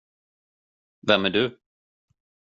Vem är du?